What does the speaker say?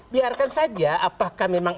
biarkan saja apakah memang